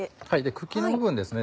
茎の部分ですね。